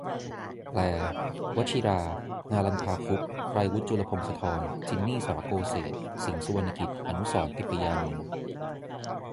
แปล : วชิรา นาลันทา คุปต์ ไกรวุฒิ จุลพงศธร จินนี่ สาระโกเศศ สิงห์ สุวรรณกิจ อนุสรณ์ ติปยานนท์